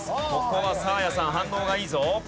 ここはサーヤさん反応がいいぞ。